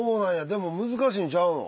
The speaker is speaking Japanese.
でも難しいんちゃうの？